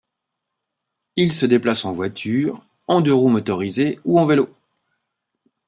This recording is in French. Ils se déplacent en voitures, en deux-roues motorisés ou en vélos.